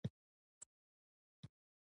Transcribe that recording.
ښه داده چې هندوستان ته ولاړ شم.